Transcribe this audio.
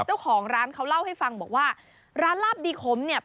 เจ้าของร้านเขาเล่าให้ฟังบอกว่าร้านลาบดีขมเนี่ย